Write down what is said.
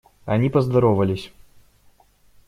Они поздоровались.